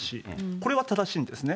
これは正しいんですね。